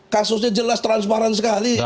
kasusnya jelas transparan sekali